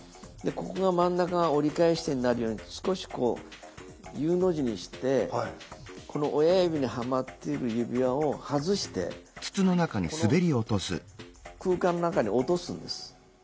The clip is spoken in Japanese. ここが真ん中が折り返し地点になるように少しこうＵの字にしてこの親指にはまっている指輪を外してこの空間の中に落とすんです。